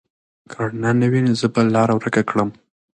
که رڼا نه وي، زه به لاره ورکه کړم.